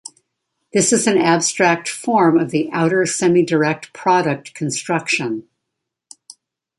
This is an abstract form of the outer semidirect product construction.